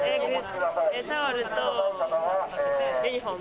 タオルとユニホーム。